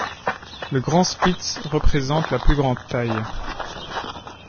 Le grand spitz représente la plus grande taille.